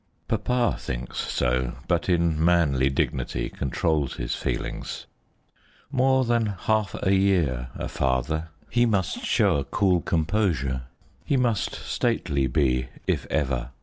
Papa thinks so, but in manly Dignity controls his feelings; More than half a year a father, He must show a cool composure, He must stately be if ever.